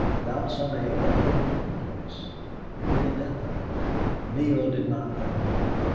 Without some aid I couldn't run the place. It'll be the death of me." Neale did not doubt that.